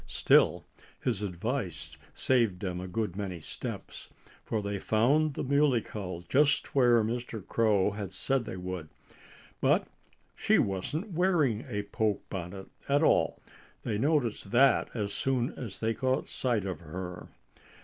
Still, his advice saved them a good many steps. For they found the Muley Cow just where Mr. Crow had said they would. But she wasn't wearing a poke bonnet at all. They noticed that as soon as they caught sight of her.